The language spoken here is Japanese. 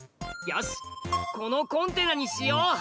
よしこのコンテナにしよう！